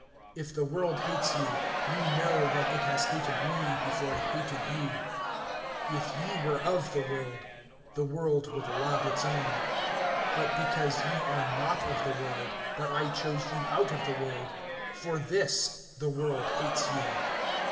(18)If the world hates you, ye know that it has hated me before it hated you. (19)If ye were of the world, the world would love its own; but because ye are not of the world, but I chose you out of the world, for this the world hates you.